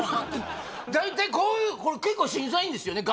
大体これ結構審査員ですよね？